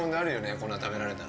こんな食べられたら。